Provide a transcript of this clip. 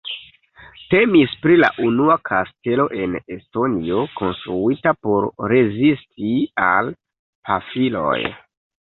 Temis pri la unua kastelo en Estonio konstruita por rezisti al pafiloj.